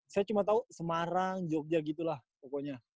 saya cuma tahu semarang jogja gitu lah pokoknya